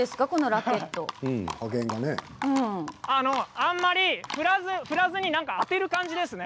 あまり振らずに当てる感じですね。